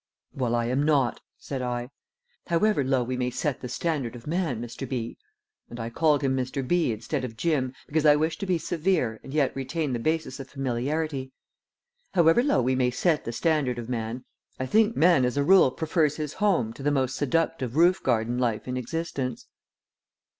"Well, I am not," said I. "However low we may set the standard of man, Mr. B." and I called him Mr. B. instead of Jim, because I wished to be severe and yet retain the basis of familiarity "however low we may set the standard of man, I think man as a rule prefers his home to the most seductive roof garden life in existence."